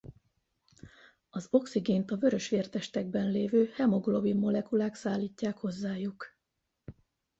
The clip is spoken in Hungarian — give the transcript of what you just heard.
Az oxigént a vörösvértestekben lévő hemoglobin molekulák szállítják hozzájuk.